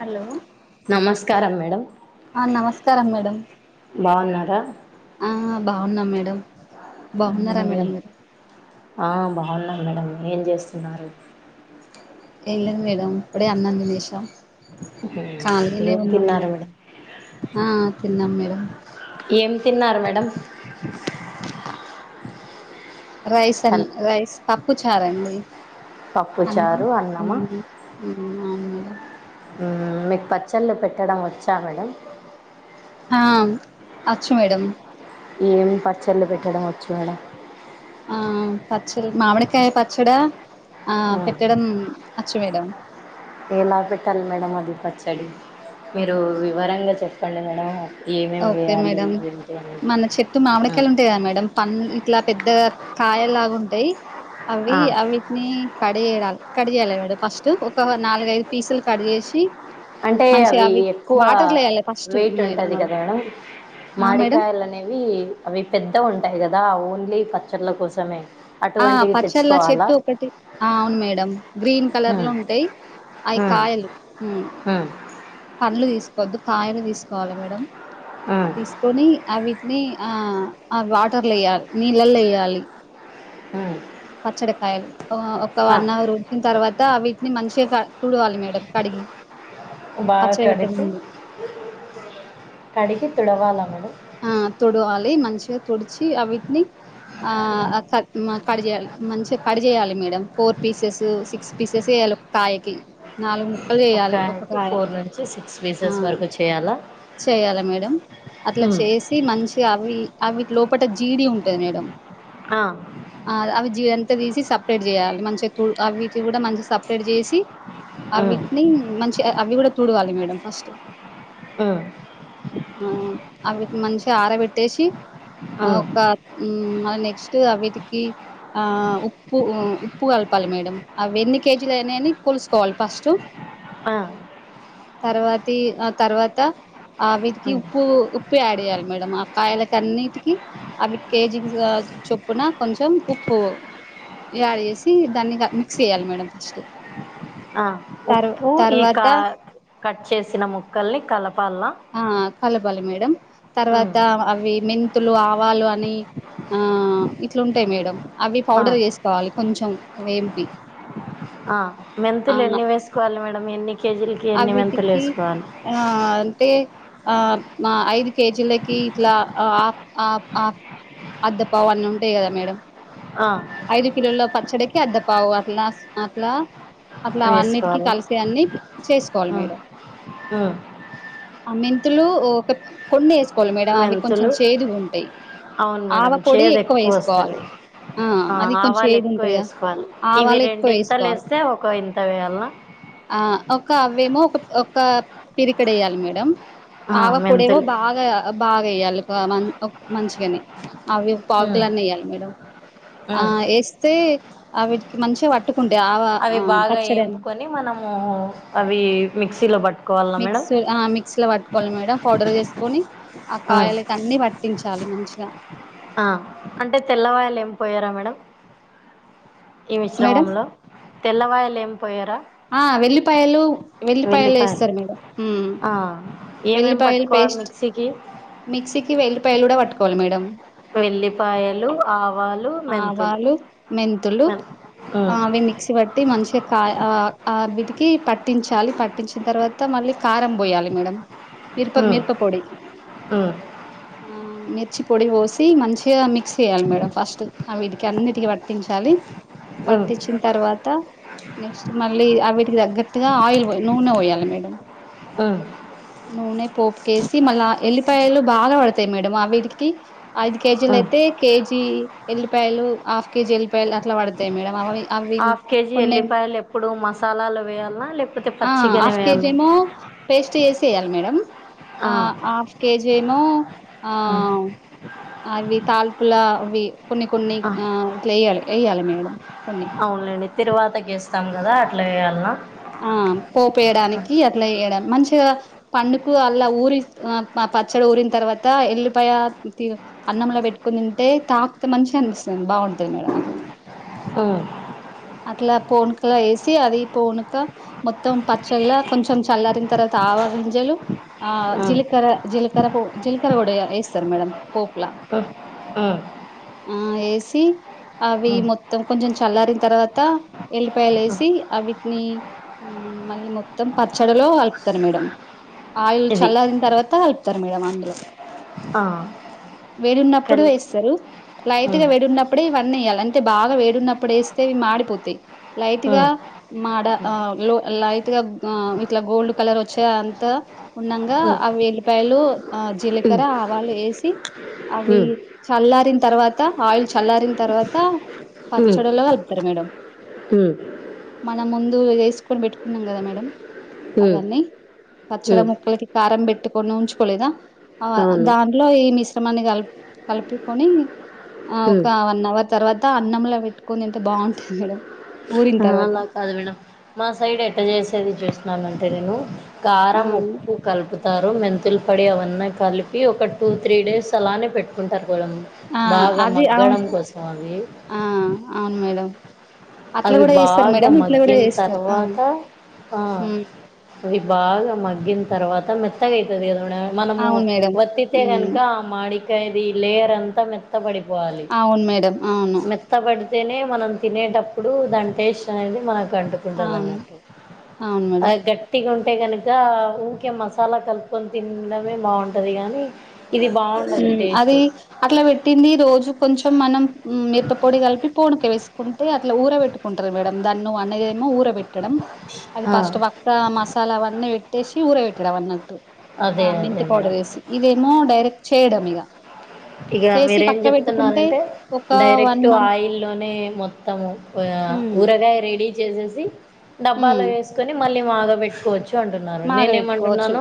Hello నమస్కారం madam ఆ నమస్కారం మేడం బాగున్నారా ఆ బాగున్నాం మేడం బాగున్నారా మేడం మీరు ఆ బాగున్నాం మేడం ఏం చేస్తున్నారు ఏం లేదు మేడం ఇప్పుడే అన్నం తినేసినం ఖాళీ గానే ఏం ఉన్నాం తిన్నారు మేడం ఆ తిన్నము ఏం తిన్నారు మేడం రైస్ అ హల్ రైస్ పప్పు చారండి పప్పు అ ఆమ్ చారు అన్నమా మేడం పచ్చళ్లు పెట్టడం వచ్చా మేడం ఆ అచ్చు మేడమ్ ఏమి పచ్చడ్లు పెట్టడం వచ్చు మేడం ఆ పచ్చడి మామిడికాయ పచ్చడా ఆ పెట్టడం అచ్చు మేడం ఏలా పెట్టాలి మేడం అది పచ్చడి మీరు వివరంగా చెప్పండి మేడం ఏమేమి ఓకే వేయాలి మేడం ఏంటి అనేది మన చెట్టు ఆ, మామిడికాయలు ఉంటాయి కదా మేడం పన్ ఇట్లా పెద్ద కాయలాగా ఉంటాయి అవి ఆ, అవిటిని కడి చేడాలి కట్ చేయాలి మేడం ఫస్ట్ ఒక నాలుగైదు పీసులు కట్ చేసి అంటే మంచిగా అవి ఎక్కువ వాటర్లో వేయాలి ఫస్ట్ వెయిట్ మేడం ఉంటది అవి కదా ఆ మాడి మేడం కాయలు అనేవి అవి పెద్ద ఉంటాయి కదా ఓన్లీ పచ్చళ్ళ కోసమే ఆ అటువంటివి పచ్చళ్ళ తెచ్చుకోవాలా చెట్టు ఒకటి ఆ అవును మేడం గ్రీన్ కలర్ లో ఉమ్, ఉంటాయి అయి ఉమ్, కాయలు ఉమ్, పండ్లు తీసుకోవద్దు కాయలు తీసుకోవాలి మేడం ఉమ్, తీసుకొని అవి నీ ఆ వాటర్లు వేయ్యాలి నీళ్ళలో వేయ్యాలి ఉమ్. పచ్చడికాయలు ఒక ఆ, వన్ అవర్ ఉంచిన తర్వాత వీటిని మంచిగా కా తూడవాలి మేడం కడిగి బాగా పచ్చడి పెట్టే కడిగి ముందు కడిగి తుడవాలా మేడం ఆ తుడవాలి మంచిగా తుడిచి అవిటిని ఆ కట్ చేయాలి మంచిగా కట్ చేయాలి మేడం ఫోర్ పీసెస్ సిక్స్ పిసేసి ఏ కాయకి నాలుగు ము ఒక ఫోర్ నుంచి సిక్స్ పీసెస్ వరకు చేయాలా చేయాల మేడం అట్లా ఉమ్, చేసి మంచిగా అవి అవి లోపల జీడి ఉంటది మేడం ఆ, ఆ అవి జీడంత తీసి సపరేట్ చేయాలి మంచిగా తు అవిటి కూడా మంచి సపరేట్ చేసి ఉమ్, అవిటిని మంచి అవి కూడా తూడవాలి మేడం ఫస్ట్ ఉమ్, ఆ అవి మంచిగా ఆరబెట్టేసి ఉమ్, ఒక మళ్ళీ నెక్స్ట్ అవిటి ఆ ఉప్పు ఉప్పు కల్ప పాలి మేడం అవి ఎన్ని కేజీలు అయినాయని కొలుసుకోవాలి ఫస్ట్ ఆ తర్వాతి ఆ తర్వాత ఆ విటికి ఉమ్, ఉప్పు ఉప్పు యాడ్ ఎయాలి మేడమ్ ఆ కాయలకన్నిటికి అవి కేజీ చొప్పున కొంచెం ఉప్పు ప్పు యాడ్ చేసి దాన్ని మిక్స్ చేయాలి మేడం ఫస్ట్ ఆ తర్వా ఉప్పు ఈ తర్వాత కా కట్ చేసిన ముక్కల్ని కల ఆ కలపాలి మేడం తర్వాత అవి మిన్ త్తులు ఆవాలు అని ఆ ఇట్లుంటాయి మేడం అవి ఆ పౌడర్ చేసుకోవాలి కొంచెం ఒ ఎం పి ఆ మెంతులు ఎన్ని వేసుకోవాలి మేడమ్ ఎన్ని కేజీలకి అ ఎన్ని మెంతులు వీటికి వేసుకోవాలి ఆ అంటే ఆ మ ఐదు కేజీలకి ఇట్లా అ అ అ అద్ద పావు అన్నీ ఉంటాయి కదా మేడం ఆ ఐదు కిలోలో పచ్చడికి అద్ద పావు అట్లా అట్లా అట్లా అన్నిటికీ వేసుకోవాలా కలిసి అన్ని చేసుకోవాలి ఆ మీరు ఉమ్ అ మెంతులు ఒ కొన్నెస్ కోవాలి మేడం అవి కొంచెం మెంతులు చేదుగా ఉంటాయి అవును ఆవ మేడం పొడి చేదు ఎక్కువ వేసుకోవాలి వస్తది ఆ అది కొంచెం ఆవాలు ఏది ఎక్కువ ఉంటదిగా వేసుకోవాలి ఇవి ఆవాలు ఎక్కువ రెండు ఇంతలు వేసుకోవాలి వేస్తే ఒక ఇంత వేయాలా ఆ ఒక అవేమో ఒక ఒక పిడికెడు వెయ్యాలి మేడం ఆ ఆవ పొడేవో మెంతులు బాగా బాగ ఎయ్యాలి గ మన్ మంచిగనే అవి ఉమ్ పావుకిలో అన్న వేయ్యాలి మేడం ఆ ఉమ్ వేస్తే అ విటికి మంచిగా పట్టు అవి బాగా ఏంపుకొని మనము అవి మిక్సీలో పట్టు మిక్స్ ఆ మిక్స్ లో పట్టుకోవాలి మేడం పౌడర్ చేసుకొని ఆ కాయలకన్ని పట్ ట్టించాలి మంచిగా ఆ అంటే తెల్లవాయలు ఏమ్ పొయ్యరా మేడం ఈ మేడం మిశ్రమంలో తెల్లవాయలు ఏమ్ పోయ్యరా ఆ వెల్లిపాయలు వెల్లిపాయలు వేస్తారు మేడం మ్ ఎం ఎం పట్టుకోవాలి మిక్సీకి మిక్సీకి వెళ్లిపాయలు కూడా పట్టుకోవాలి మేడం వెల్లిపాయలు ఆవాలు మెంతులు ఆవాలు మెంతులు మెన్ ఆ ఉమ్, అవి మిక్సీ పట్టి మంచిగా కా ఆ ఆ వీటికి పట్టించాలి పట్టించిన తర్వాత మళ్ళీ కారం బొయ్యలి మేడం మిరప ఉమ్, మిరప పొడి ఉమ్, మిర్చి పొడి ఓసి మంచిగా మిక్స్ చేయాలి మేడం ఫస్ట్ ఆ వీటికి అన్నిటికి పట్టించాలి ఉమ్, పట్టించిన తర్వాత నెక్స్ట్ మళ్ళీ ఆ వీటికి తగ్గటుగా ఆయిల్ నూనె ఓయ్యలి మేడం మ్ నూనె పోపుకేసి మళ్ళా ఎల్లిపాయలు బాగా పడతాయి మేడమ్ అ వీటికి ఐదు కేజీలు ఉమ్. అయితే కేజీ ఎల్లిపాయలు హాఫ్ కేజీ ఎల్లిపాయలు అట్లా పడతాయి మేడం అవే హాఫ్ కేజీ ఎల్లిపాయలు ఎప్పుడు మసాలాలు వేయాల్న లే ఆ హాఫ్ కేజీ ఏమో పేస్ట్ చేసి ఎయ్యాలి మేడం ఆ, అ హాఫ్ కేజి ఏమో ఆ అవి తాలింపుల అవి కొన్ని కొన్ని ఆ ఇట్లా ఎయ్యలి ఎయ్యాలి మేడం కొన్ని అవునలేండి తిరువాతకి వేస్తాం కదా అట్లా వేయాల్న ఆ పోపు వేయడానికి అట్లా వేయడం మంచిగా పండుకు అల్ల ఊరి ఆ ప పచ్చడి ఊ తర్వాత ఎల్లిపాయ అన్నంలో పెట్టుకొని తింటే తాకుతే మంచిగా అనిపిస్తది బావుంటది మేడం అది [inaudible] ఉమ్, అట్లా పూనకలో ఎసి అది పోనుక మొత్తం పచ్చళ్ళ కొంచెం చల్లారినా తర్వాత ఆవ గింజలు ఆ ఉమ్, జీలకర జీలకర జీలకర కూడా ఎస్తారు మేడం పోప్ల అ ఆ వేసి అవి మొత్తం కొంచెం చల్లారిన తర్వాత త ఎల్లిపాయలు ఉమ్. యేసి అవిటిని మళ్ళీ మొత్తం పచ్చడలో కలుపుతారు మేడం ఆయిల్ ఇది చల్లారిన తర్వాత కలుపుతారు మేడమ్ అందులో ఆ వేడున్నప్పుడు కళ్ళు యేస్తరు లైట్ గా ఉమ్, వేడున్నప్ ప్పుడే ఇవన్నీ ఎయాలి అంటే బాగా వేడున్నప్పుడు యేస్తే ఇవి మాడి పోతయ్ లైట్ గా ఉమ్, మాడ లైట్ గా ఇట్లా గోల్డ్ కలర్ వచ్చే అంతా ఉన్నాంగా ఉమ్, ఆ వెల్లిపాయలు ఆ జీలకర ఉమ్, ఆవాలు యేసి అవి చల్లారిన తర్వాత ఆయిల్ చల్లారిన తర్వాత పచ్చడిలో కలుపుతరు మేడం హ్మ్ మనం ముందు వేసుకొని పెట్టుకున్నాం కదా మేడమ్ అవన్నీ పచ్చడి ఉమ్, ముక్కలకి కారం పెట్టుకొని ఉంచుకోలేదా అవును దాంట్లో ఈ మిశ్రమాన్ని కలప్ కలుపుకొని ఆ ఒక ఉమ్. వన్ అవర్ తర్వాత అన్నంలా పెట్టుకుని తింటే బాగుంటది మేడం ఊరిన ఆ తర్వాత అలా కాదు మేడం మా సైడ్ ఎట్ట చేసేది చూసిననంటే నేను ఆ కారం ఉప్పు కలుపుతారు మెంతులు ప్పడే అవన్నీ కలిపి ఒక టూ త్రీ డేస్ అలానే పెట్టుకుంటారు ఆ బాగా అది అవును మగ్గడం కోసం అది ఆ అవును మేడం అట్లా అవి కూడా చేస్తారు బాగా మేడం ఇట్లా కూడా మగ్గిన చేస్తారు ఆ తర్వాత ఆ ఉమ్ అవి బాగా మగ్గిన తర్వాత మెత్తగయితది కదా మనము అవును మేడం ఒత్తితే ఉమ్ గనక మాడికాయది లేయర్ అంతా మెత్తబడిపో పోవాలి అవును మేడం అవును మెత్తబడి తినే మనం తినేటప్పుడు దాని టేస్ట్ అనేది మనకు కంటుకుంటది అవును అన్నట్టు అవును మేడం అది గట్టిగా ఉంటే కనుక ఇగ ఊకే మసాలా కలుపుకొని తినడమే బాగుంటది కానీ ఇది బాగుండదు మ్మ్ అది టేస్ట్ అట్లా పెట్టింది రోజు కొంచెం మనం మిరప పొడి కలిపి పూనిక వేసుకుంటే అట్లా ఊర పెట్టుకుంటది మేడం దాన్ నువ్ అన్నదె మో ఊర పెట్టడం అది ఆ ఫస్ట్ వక్క మసాలా వన్న పెట్టేసి ఊర పెట్టడం అన్నట్టు అదే ఆ అదే మెంతి మేడం పౌడర్ యేసి ఇదే డైరెక్ట్ చేయడం ఇగ ఇగ చేసి మీరేం పక్క పెట్టుకుంటే చెప్తున్నారంటే ఒక వన్ డైరెక్ట్ మంత్ ఆయిల్ లోనే మొత్ త్తము ఉమ్ ఊరగాయ రెడీ చేసేసి ఉమ్ డబ్బాలో వేసుకొని మళ్ళీ మాగ పెట్టుకోవచ్చు అంటున్నారు మాగ పెట్టుకోవచ్చు నేనేమంటున్నాను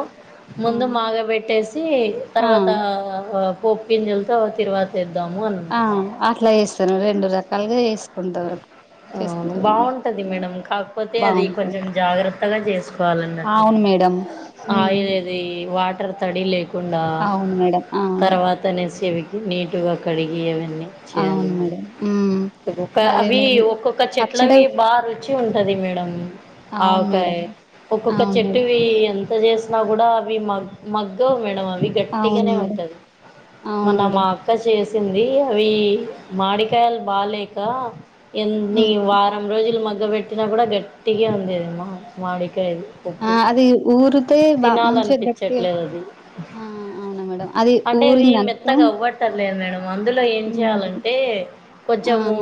ముందు ఉమ్ మాగాబెట్టేసి ఆ తర్వాత పోప్పు గింజెల్తో తిరువాత వేద్దాము అని ఆ అంటున్నాను అట్లా చేస్తారు రెండు రకాలుగా చేసుకుంటారు అవును చేసుకుంటారు మేడం బాగుంటది మేడం కాకపోతే అది బాగుంటాయి కొంచెం జాగ్రత్తగా చేసుకోవాలన్నట్టు అవును మేడం ఉమ్, ఆయిలేది వాటర్ తడి లేకు కుండా అవును మేడం అవును తర్వాత నేసివికి నీటుగా కడిగివి అవును మేడం ఉమ్, ఒక మరి అవి మేము ఓ పచ్చడి చెట్లవి బాగా రుచి ఉంటది మేడం అవును మేడం ఆవకాయ్ ఒక్కొక్క అవును మేడం చెట్టువి ఎం త చేసినా కూడా అవి మగ్గవు మేడం అవి అవి అవును గట్టిగానే మేడం ఉంటది అవును మోన మా మేడం అక్క చే సింది అవి మాడికాయలు బాలేక ఎన్ని ఉమ్. వారం రోజులు మగ్గ పెట్టినా కూడా గట్టిగా ఉంది అది మాడి కాయలు ఆ, ఉప్పు అది ఊరితే బా మంచిగా గట్టి తినాలనిపించట్లేదు అది ఆ అవునా మేడం అది అంటే అవి ఊరిందనుకో మెత్తగా అవ్వట్టలేదు మేడం అందులో ఏం చేయాలంటే ఆ కొంచెము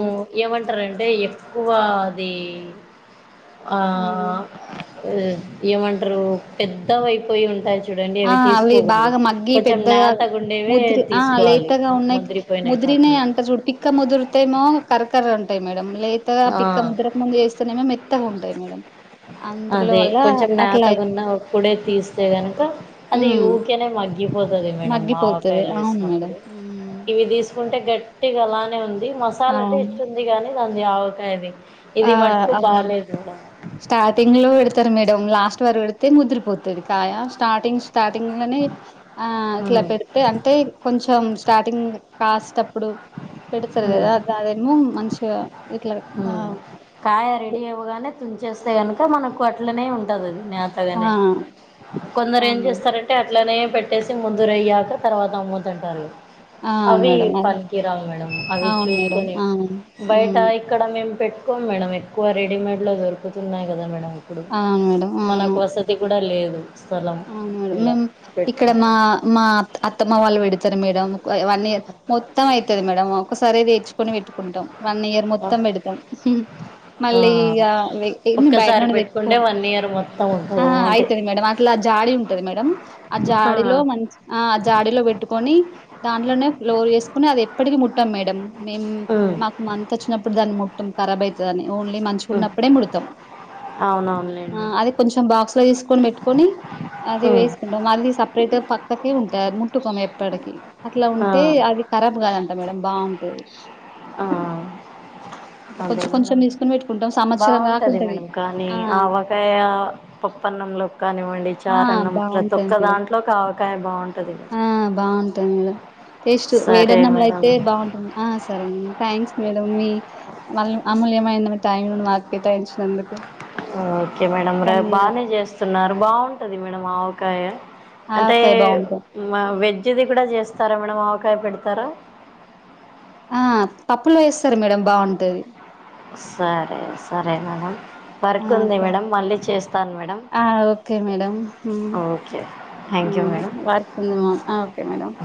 ఏమంట ర్ అంటే ఎక్కువ అది ఆ ఏమంటరు పెద్దవైపోయి ఉంటాయ్ చూ చూడండి ఆ అవి తీసుకోకూడదు బాగా మగ్గి కొంచెం పెద్దగా నేతగుండేవే తీసుకోవాలి ముదిరిపోయినా దీన్నే అంటరూ చూడు పిక్క ముదురు తెమో కరకర అంట టాయి మేడం లేత పిక్క ఆ, ముద్రక ముందు చేస్తేనేమో మెత్తగా ఉంటాయి మేడమ్ అదే కొంచెం నాత ఉన్న అప్పుడే తీస్తే కనుక అది మ్మ్ యుూకనే మగ్గి గ్గిపోతుంది మేడం మా మగ్గిపోతది ఆవకాయలు అవును మేడం వేసినప్పుడు మ్మ్ ఇవి తీసుకుంటే గట్టిగా అలానే ఉంది మసాలా అవును టేస్ట్ ఉంది కానీ దండి ఆవకాయది ఆ ఇది మట్కు అవును బాలేదు కూడా స్టార్టింగ్ లో పెడతారు మేడం లాస్ట్ వారు పెడితే ముదిరిపోతుంది కాయ స్టార్టింగ్ స్టార్టింగ్ లోనే ఆ ఇట్లా హ్మ్ పెడితే అంటే కొంచెం స్టార్టింగ్ కాస్ట్ అప్పుడు పెడతారు హ్మ్ కదా ఆదేమో మంచిగా ఇట్లా హ్మ్ కాయ రెడీ అవ్వగానే తుంచేస్తే కనుక మనకు అట్లనే ఉంటది అది ఆ లేతగానే కొందరు ఏం అవును చేస్తారంటే అట్లానే పెట్టేసి ముందుర అయ్యాక తర్వాత అమ్ముతుంటారు అవి మేడం ఆ పనికిరావు మేడం అవి అవును మేడం అది అవును మేడం చూసుకుని అవును బయట హ్మ్. ఇక్కడ మేము పెట్ కోమ్ మేడం ఎక్కువ రెడీమేడ్లో దొరుకుతున్నాయి కదా మేడడం ఇప్పుడు అవును మేడం మనకు అవును వసతి కూడా లేదు స్థలం అవును మేడం ఇలా మేము ఇక్కడ పెట్టుకు మా మాత్త అత్తమ్మ వాళ్ళు పెడతారు మేడం వన్ ఇయర్ మొత్తం అయితది మేడం ఒకసారిది నేర్చుకొని పెట్టుకుంటాం వన్ ఇయర్ మొత్తం పెడతాం ఆ మళ్ళీ ఇగ వీరిని బయటా ఒక్కసారి నుండి పెట్టుకుంటే తెచ్చుకుని వన్ ఇయర్ మొత్తం ఉంటుందేమో అదే అయితది మేడం అట్లా జాడి ఉంటది మేడం ఆ జాడీలో మంచి ఆ ఆ జాడీలో పెట్టుకొని దాంట్లోనే ఫ్లోర్ వేసుకుని అది ఎప్పటికి ముట్టాం మేడం మేము ఉమ్ మాకు మంత్ వచ్చినప్పుడు దాన్ని ము టామ్ కరబ్ అయితదనీ ఓన్లీ ఉమ్ మంచిగున్నప్పుడే ముడతాం అవునవునులేండి అది కొంచెం బాక్స్ లో తీసుకొని పెట్టు అది ఉమ్ వేసుకుంటాం అది సపరేట్ గా పక్కకి ఉంటా ముట్టుకోము ఎప్పడికి అట్లా ఆ ఉంటే అది ఖరాబ్ కాదంట మేడం బాగుంటది ఆ అట్లా అదే కొంచెం మేడం కొంచెం తీసుకుని పెట్టుకుంటాం సంవత్సరం దాకా బాగుంటది ఉంటది మేడం కానీ ఆ ఆవకాయ పప్ప అన్నం లోకి కానివ్వండి ఆ చారన్నం ప్రతి బాగుంటది ఒక్క మేడం దాంట్లోకి ఆవకాయ బాగుంటుంది మీ టేస్ట్ వేడన్నంలో మేడం అయితే బాగుంటుంది ఆ సరే థ్యాంక్స్ మేడం మీ వాళ్ళు అమూల్యమైన టైం ను మాకు కేటాయించినందుకు ఓకే మేడం రేపు బానే ధన్యవాదాలు చేస్తున్నారు బాగుంటది మేడం ఆవకాయ ఆ అంటే ఆవకాయ బాగుంటది వెజ్ది కూడా చేస్తారా మేడం అవ వకాయ పెడతారా ఆ పప్పులో వేస్తారు మేడం బాగుంటది సరే సరే మేడమ్ ఆ వర్క్ంది సరే మేడం మళ్ళీ చేస్తాను మేడం ఆ ఓకే మేడం హ్మ్. Okay thank you madam work ఉందేమో ఆ ఓకే మేడమ్